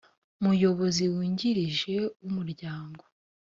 muyobozi wungirije w umuryango